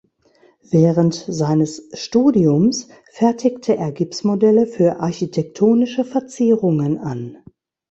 Während seines Studiums fertigte er Gipsmodelle für architektonische Verzierungen an.